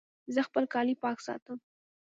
زه خپل کالي پاک ساتم